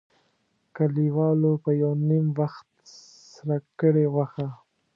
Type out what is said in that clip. کلیوالو به یو نیم وخت سره کړې غوښه.